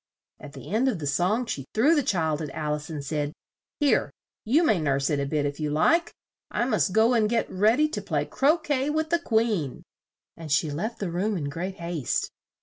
At the end of the song she threw the child at Al ice and said, "Here, you may nurse it a bit if you like; I must go and get read y to play cro quet with the Queen," and she left the room in great haste.